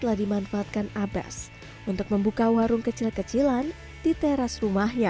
telah dimanfaatkan abbas untuk membuka warung kecil kecilan di teras rumahnya